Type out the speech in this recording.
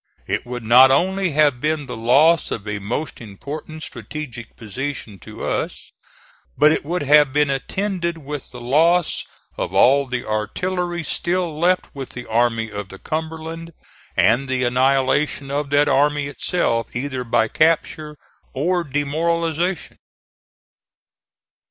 It would not only have been the loss of a most important strategic position to us, but it would have been attended with the loss of all the artillery still left with the Army of the Cumberland and the annihilation of that army itself, either by capture or demoralization.